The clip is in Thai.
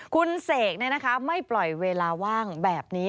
คุณเสกไม่ปล่อยเวลาว่างแบบนี้